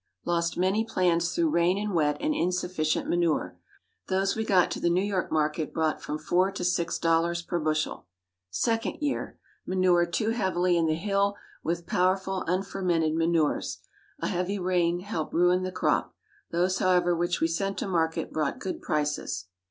_ Lost many plants through rain and wet, and insufficient manure. Those we got to the New York market brought from four to six dollars per bushel. Second Year. Manured too heavily in the hill with powerful unfermented manures. A heavy rain helped ruin the crop. Those, however, which we sent to market, brought good prices.